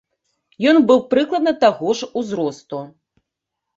Ён быў прыкладна таго ж узросту.